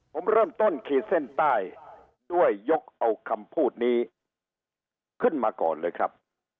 ผมเริ่มต้นขีดเส้นใต้ด้วยยกเอาคำพูดนี้ขึ้นมาก่อนเลยครับ